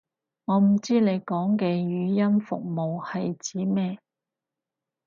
我唔知你講嘅語音服務係指咩